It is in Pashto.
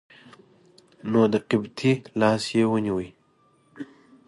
نو د قبطي لاس یې ونیوه.